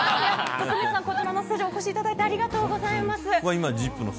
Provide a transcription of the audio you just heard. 徳光さん、こちらのスタジオ、お越しいただいてありがとうござここが今、ＺＩＰ！